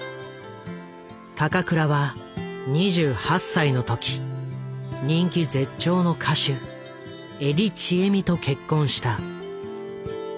高倉は２８歳の時人気絶頂の歌手江利チエミと結婚した。